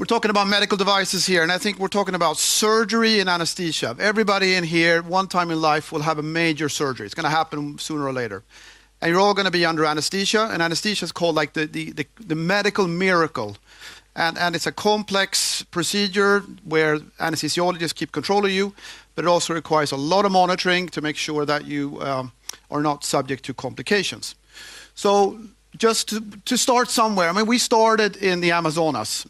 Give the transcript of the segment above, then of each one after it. We're talking about medical devices here, and I think we're talking about surgery and anesthesia. Everybody in here, one time in life, will have a major surgery. It's going to happen sooner or later. You're all going to be under anesthesia, and anesthesia is called like the medical miracle. It's a complex procedure where anesthesiologists keep control of you, but it also requires a lot of monitoring to make sure that you are not subject to complications. Just to start somewhere, I mean, we started in the Amazonas.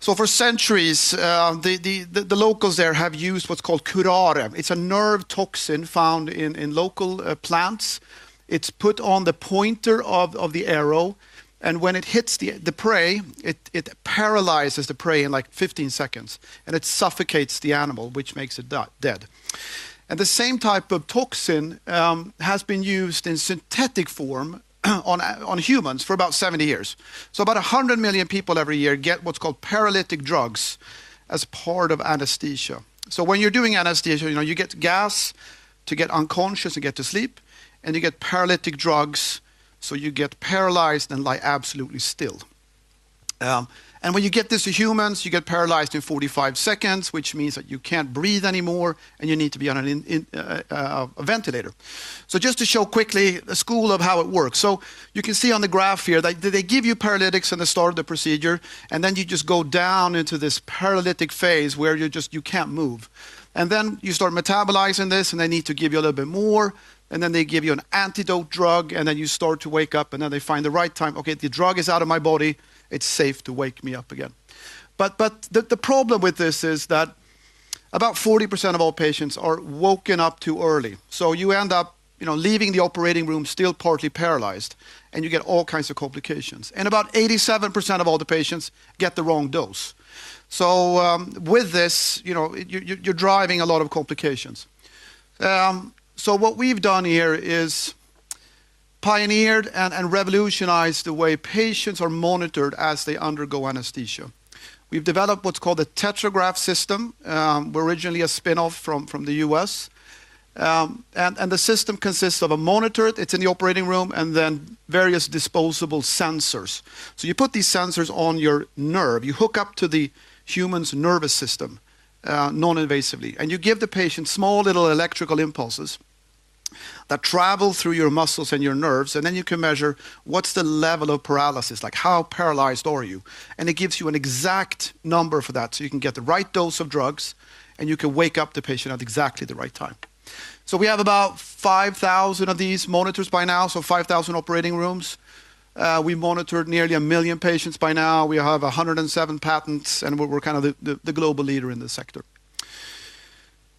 For centuries, the locals there have used what's called curare. It's a nerve toxin found in local plants. It's put on the pointer of the arrow, and when it hits the prey, it paralyzes the prey in like 15 seconds, and it suffocates the animal, which makes it dead. The same type of toxin has been used in synthetic form on humans for about 70 years. About 100 million people every year get what's called paralytic drugs as part of anesthesia. When you're doing anesthesia, you know, you get gas to get unconscious and get to sleep, and you get paralytic drugs, so you get paralyzed and lie absolutely still. When you get this to humans, you get paralyzed in 45 seconds, which means that you can't breathe anymore, and you need to be on a ventilator. Just to show quickly the school of how it works. You can see on the graph here that they give you paralytics at the start of the procedure, and then you just go down into this paralytic phase where you just, you can't move. Then you start metabolizing this, and they need to give you a little bit more, and then they give you an antidote drug, and then you start to wake up, and then they find the right time, okay, the drug is out of my body, it's safe to wake me up again. The problem with this is that about 40% of all patients are woken up too early. You end up, you know, leaving the operating room still partly paralyzed, and you get all kinds of complications. About 87% of all the patients get the wrong dose. With this, you know, you're driving a lot of complications. What we've done here is pioneered and revolutionized the way patients are monitored as they undergo anesthesia. We've developed what's called the TetraGraph system. We're originally a spinoff from the U.S. The system consists of a monitor, it's in the operating room, and then various disposable sensors. You put these sensors on your nerve, you hook up to the human's nervous system non-invasively, and you give the patient small little electrical impulses that travel through your muscles and your nerves, and then you can measure what's the level of paralysis, like how paralyzed are you. It gives you an exact number for that so you can get the right dose of drugs, and you can wake up the patient at exactly the right time. We have about 5,000 of these monitors by now, so 5,000 operating rooms. We monitor nearly a million patients by now. We have 107 patents, and we're kind of the global leader in the sector.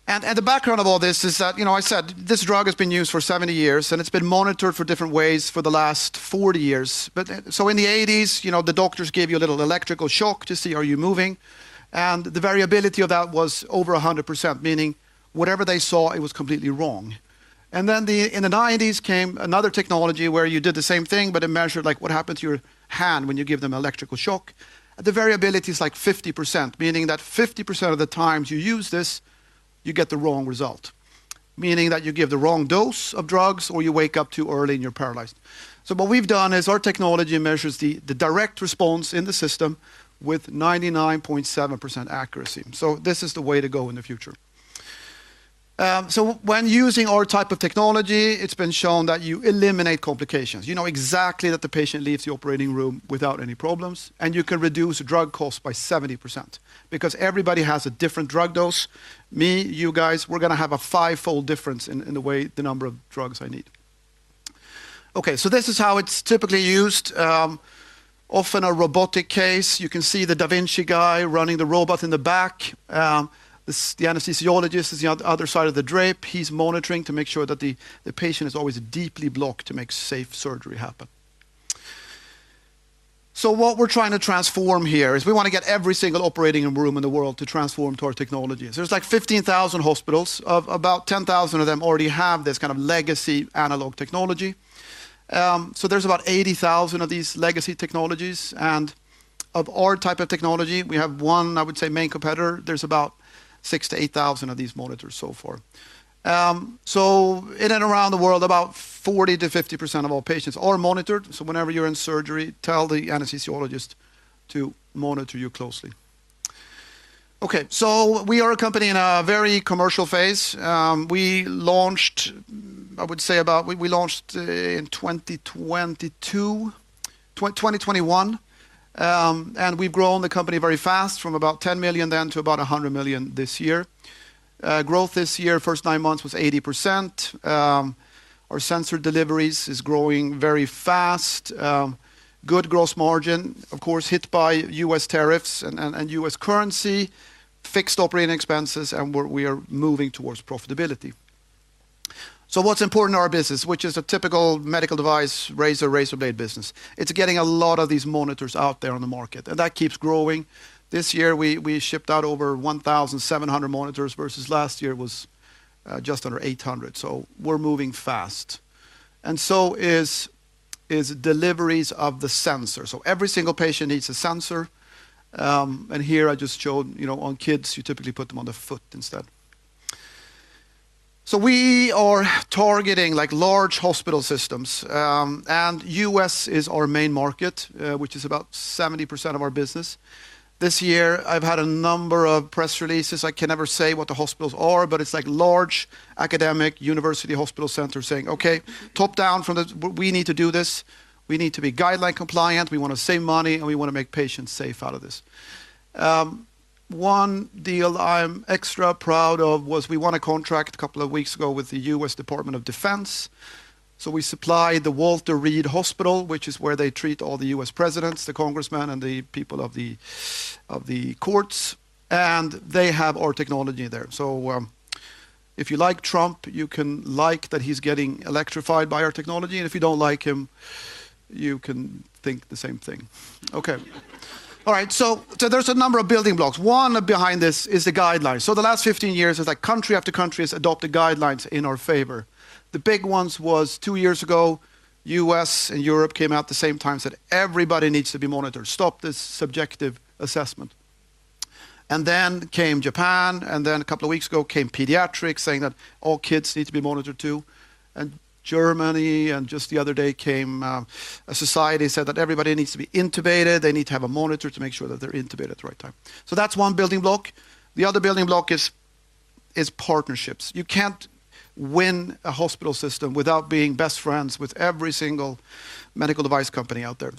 The background of all this is that, you know, I said, this drug has been used for 70 years, and it's been monitored for different ways for the last 40 years. In the 1980s, you know, the doctors gave you a little electrical shock to see are you moving, and the variability of that was over 100%, meaning whatever they saw, it was completely wrong. In the 1990s came another technology where you did the same thing, but it measured like what happened to your hand when you give them electrical shock. The variability is like 50%, meaning that 50% of the times you use this, you get the wrong result, meaning that you give the wrong dose of drugs or you wake up too early and you're paralyzed. What we've done is our technology measures the direct response in the system with 99.7% accuracy. This is the way to go in the future. When using our type of technology, it's been shown that you eliminate complications. You know exactly that the patient leaves the operating room without any problems, and you can reduce drug costs by 70% because everybody has a different drug dose. Me, you guys, we're going to have a five-fold difference in the way the number of drugs I need. This is how it's typically used. Often a robotic case, you can see the Da Vinci guy running the robot in the back. The anesthesiologist is on the other side of the drape. He's monitoring to make sure that the patient is always deeply blocked to make safe surgery happen. What we're trying to transform here is we want to get every single operating room in the world to transform to our technologies. There's like 15,000 hospitals, about 10,000 of them already have this kind of legacy analog technology. There's about 80,000 of these legacy technologies, and of our type of technology, we have one, I would say, main competitor. There's about 6,000-8,000 of these monitors so far. In and around the world, about 40-50% of all patients are monitored. Whenever you're in surgery, tell the anesthesiologist to monitor you closely. We are a company in a very commercial phase. We launched, I would say, about, we launched in 2022, 2021, and we've grown the company very fast from about $10 million then to about $100 million this year. Growth this year, first nine months was 80%. Our sensor deliveries is growing very fast, good gross margin, of course, hit by U.S. tariffs and U.S. Currency, fixed operating expenses, and we are moving towards profitability. What's important in our business, which is a typical medical device razor, razor blade business, is getting a lot of these monitors out there on the market, and that keeps growing. This year we shipped out over 1,700 monitors versus last year was just under 800. We're moving fast. Deliveries of the sensor are also increasing. Every single patient needs a sensor. Here I just showed, you know, on kids, you typically put them on the foot instead. We are targeting large hospital systems, and the U.S. is our main market, which is about 70% of our business. This year I've had a number of press releases. I can never say what the hospitals are, but it's large academic university hospital centers saying, okay, top down from the, we need to do this. We need to be guideline compliant. We want to save money, and we want to make patients safe out of this. One deal I'm extra proud of was we won a contract a couple of weeks ago with the U.S. Department of Defense. We supplied the Walter Reed Hospital, which is where they treat all the U.S. presidents, the congressmen, and the people of the courts, and they have our technology there. If you like Trump, you can like that he's getting electrified by our technology, and if you don't like him, you can think the same thing. Okay. All right, so there's a number of building blocks. One behind this is the guidelines. The last 15 years is like country after country has adopted guidelines in our favor. The big ones was two years ago, U.S. Europe came out at the same time and said everybody needs to be monitored. Stop this subjective assessment. Then came Japan, and then a couple of weeks ago came pediatrics saying that all kids need to be monitored too. Germany and just the other day came a society said that everybody needs to be intubated. They need to have a monitor to make sure that they're intubated at the right time. That is one building block. The other building block is partnerships. You can't win a hospital system without being best friends with every single medical device company out there.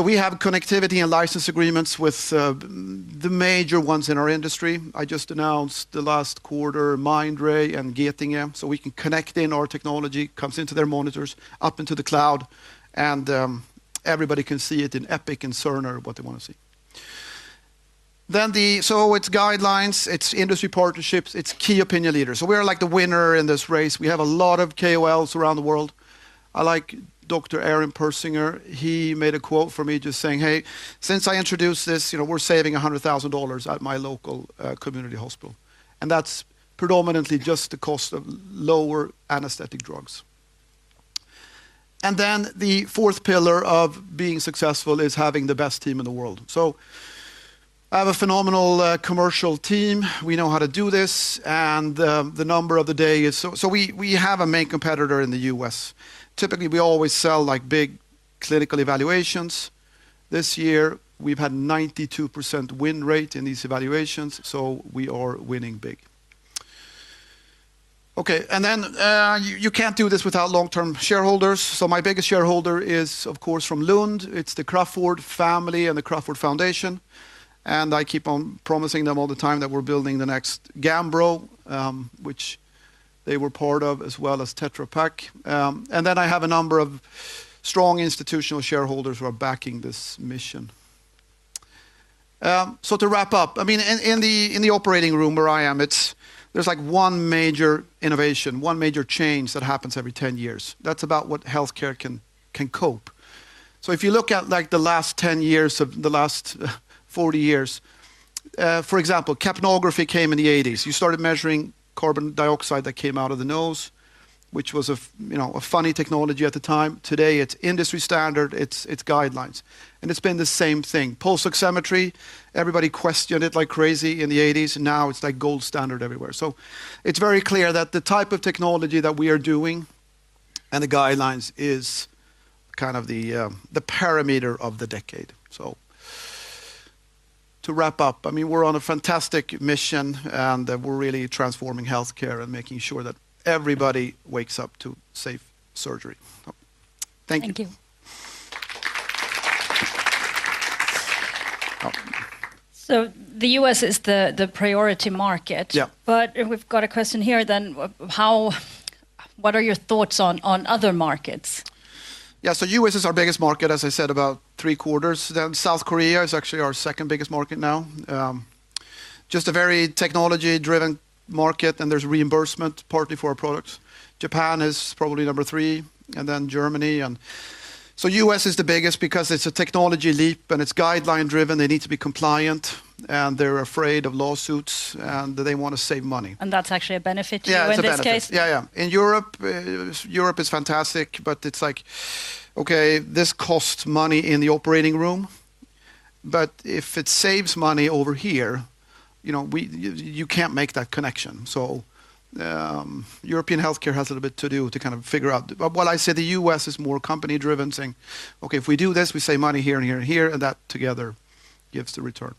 We have connectivity and license agreements with the major ones in our industry. I just announced the last quarter, Mindray and Getinge, so we can connect in our technology, comes into their monitors, up into the cloud, and everybody can see it in Epic and Cerner, what they want to see. It's guidelines, it's industry partnerships, it's key opinion leaders. We're like the winner in this race. We have a lot of KOLs around the world. I like Dr. Aaron Persinger. He made a quote for me just saying, hey, since I introduced this, you know, we're saving $100,000 at my local community hospital. That's predominantly just the cost of lower anesthetic drugs. The fourth pillar of being successful is having the best team in the world. I have a phenomenal commercial team. We know how to do this, and the number of the day is, we have a main competitor in the U.S. Typically, we always sell like big clinical evaluations. This year we've had a 92% win rate in these evaluations, so we are winning big. Okay, you can't do this without long-term shareholders. My biggest shareholder is, of course, from Lund. It's the Crawford family and the Crawford Foundation. I keep on promising them all the time that we're building the next Gambro, which they were part of, as well as Tetra Pak. I have a number of strong institutional shareholders who are backing this mission. To wrap up, I mean, in the operating room where I am, there's like one major innovation, one major change that happens every 10 years. That's about what healthcare can cope. If you look at like the last 10 years, the last 40 years, for example, capnography came in the 1980s. You started measuring carbon dioxide that came out of the nose, which was a, you know, a funny technology at the time. Today it's industry standard, it's guidelines. It's been the same thing. Pulse oximetry, everybody questioned it like crazy in the 1980s, and now it's like gold standard everywhere. It is very clear that the type of technology that we are doing and the guidelines is kind of the parameter of the decade. To wrap up, I mean, we're on a fantastic mission, and we're really transforming healthcare and making sure that everybody wakes up to safe surgery. Thank you. The U.S. is the priority market. Yeah. We have a question here then, how, what are your thoughts on other markets? Yeah, so U.S. is our biggest market, as I said, about three quarters. South Korea is actually our second biggest market now. Just a very technology-driven market, and there's reimbursement partly for our products. Japan is probably number three, and then Germany. U.S. is the biggest because it's a technology leap, and it's guideline-driven. They need to be compliant, and they're afraid of lawsuits, and they want to save money. That's actually a benefit to you in this case? Yeah, yeah, yeah. In Europe, Europe is fantastic, but it's like, okay, this costs money in the operating room, but if it saves money over here, you know, you can't make that connection. European healthcare has a little bit to do to kind of figure out, but what I say, the U.S. is more company-driven, saying, okay, if we do this, we save money here and here and here, and that together gives the return.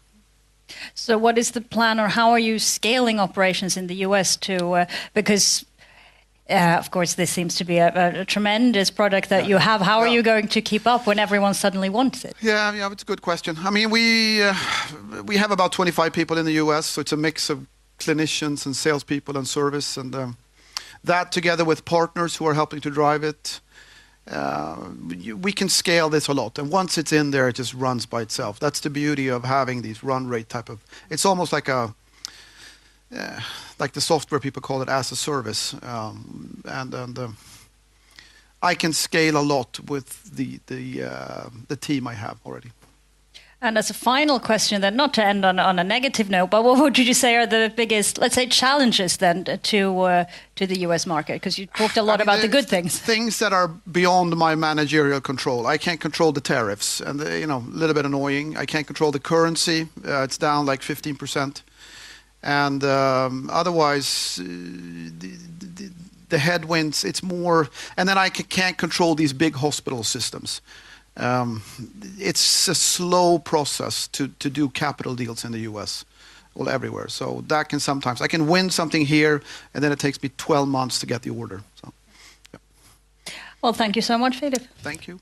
What is the plan, or how are you scaling operations in the U.S. too, because of course this seems to be a tremendous product that you have. How are you going to keep up when everyone suddenly wants it? Yeah, yeah, it's a good question. I mean, we have about 25 people in the U.S., so it's a mix of clinicians and salespeople and service, and that together with partners who are helping to drive it, we can scale this a lot. Once it's in there, it just runs by itself. That's the beauty of having these run rate type of, it's almost like a, like the software people call it as a service. I can scale a lot with the team I have already. As a final question then, not to end on a negative note, what would you say are the biggest, let's say, challenges then to the U.S. market? Because you talked a lot about the good things. Things that are beyond my managerial control. I can't control the tariffs, and you know, a little bit annoying. I can't control the currency. It's down like 15%. Otherwise, the headwinds, it's more, and then I can't control these big hospital systems. It's a slow process to do capital deals in the U.S., well, everywhere. That can sometimes, I can win something here, and then it takes me 12 months to get the order. Thank you so much, Philip. Thank you.